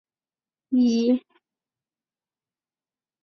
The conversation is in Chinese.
莫里纳被认为是大联盟中守备最好的捕手之一。